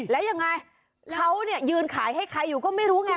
แล้วยังไงเขาเนี่ยยืนขายให้ใครอยู่ก็ไม่รู้ไง